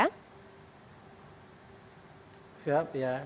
bisa bapak jelaskan